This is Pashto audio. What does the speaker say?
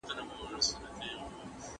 د لوی ځنګله پر څنډه